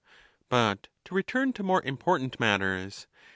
But to return to more important matters.